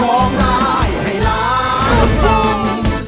ร้องร้ายให้รัก